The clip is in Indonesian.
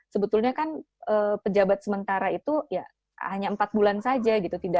sebetulnya kan pejabat sementara itu hanya empat bulan saja